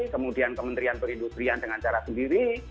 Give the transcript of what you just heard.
kemudian kementerian perindustrian dengan cara sendiri